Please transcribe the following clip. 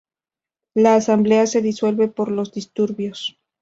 La asamblea se disuelve por los disturbios.